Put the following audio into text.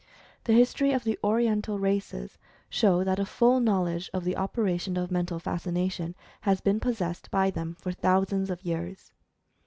The history of the Oriental races show that a full knowledge of the op eration of Mental Fascination has been possessed by them for thousands of years.